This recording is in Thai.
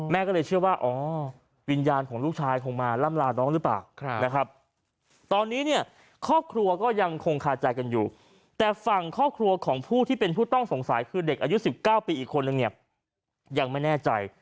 แม่ก็เลยเชื่อว่าอ๋อวิญญาณของลูกชายคงมาล่ำลาน้องหรือเปล่า